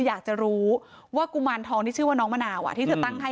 อยากจะรู้ว่ากุมารทองที่ชื่อว่าน้องมะนาวที่เธอตั้งให้